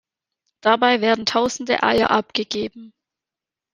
Dabei werden tausende Eier abgegeben.